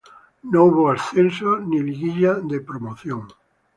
No hubo descenso ni liguilla de promoción.